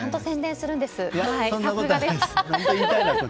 さすがです。